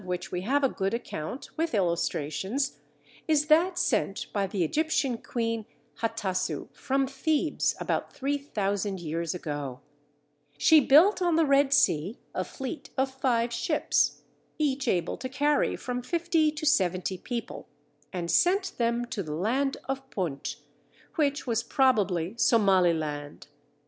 Perhaps the earliest geographical expedition of which we have a good account (with illustrations) is that sent by the Egyptian Queen, Hatasu, from Thebes, about three thousand years ago. She built on the Red Sea a fleet of five ships, each able to carry from fifty to seventy people, and sent them to the land of Punt, which was probably Somaliland.